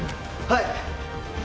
はい！